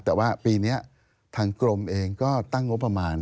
แต่ว่าปีนี้ทางกรมเองก็ตั้งงบประมาณ